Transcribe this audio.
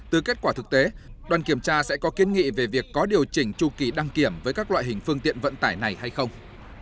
từ kết quả thực tế đoàn kiểm tra sẽ có kiên nghị về việc có điều chỉnh chu kỳ đăng kiểm với các loại hình phương tiện vận tải này hay không